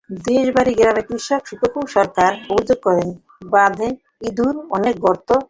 দেশিবাড়ি গ্রামের কৃষক শুকারু সরকার অভিযোগ করেন, বাঁধে ইঁদুরের অনেক গর্ত রয়েছে।